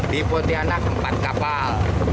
di potianak empat kapal